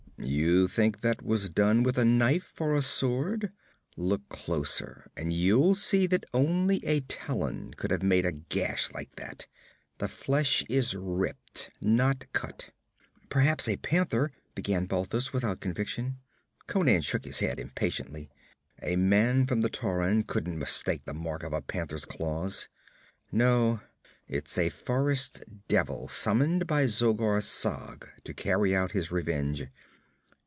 'You think that was done with a knife or a sword? Look closer and you'll see that only a talon could have made a gash like that. The flesh is ripped, not cut.' 'Perhaps a panther ' began Balthus, without conviction. Conan shook his head impatiently. 'A man from the Tauran couldn't mistake the mark of a panther's claws. No. It's a forest devil summoned by Zogar Sag to carry out his revenge.